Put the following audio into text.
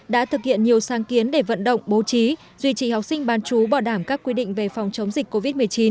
đã thực hiện nhiều sáng kiến để vận động bố trí duy trì học sinh bán chú bảo đảm các quy định về phòng chống dịch covid một mươi chín